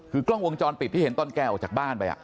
คือกล้องวงจรปิดที่เห็นตอนแกออกจากบ้านไป